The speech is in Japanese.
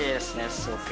すごく。